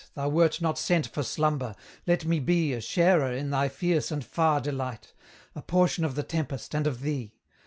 Thou wert not sent for slumber! let me be A sharer in thy fierce and far delight A portion of the tempest and of thee!